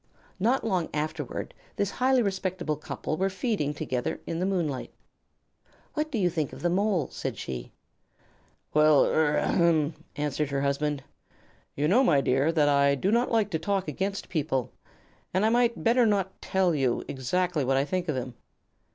Not long afterward this highly respectable couple were feeding together in the moonlight. "What do you think of the Mole?" said she. "Well, er ahem," answered her husband. "You know, my dear, that I do not like to talk against people, and I might better not tell you exactly what I think of him.